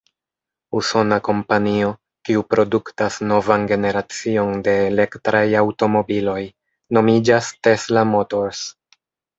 Usona kompanio, kiu produktas novan generacion de elektraj aŭtomobiloj, nomiĝas Tesla Motors.